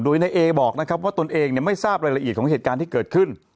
โดยนายเอบอกนะครับว่าตนเองไม่ทราบรายละเอียดของเหตุการณ์ที่เกิดขึ้น